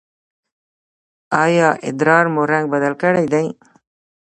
ایا ادرار مو رنګ بدل کړی دی؟